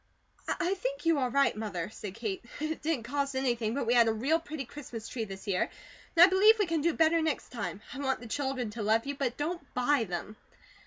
"I think you are right, Mother," said Kate. "It didn't cost anything, but we had a real pretty Christmas tree this year, and I believe we can do better next time. I want the children to love you, but don't BUY them."